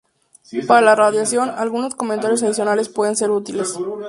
Para la radiación, algunos comentarios adicionales pueden ser útiles.